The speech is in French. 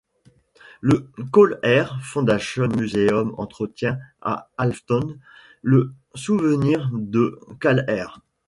Le CallAir Foundation Museum entretient à Afton le souvenir de CallAir.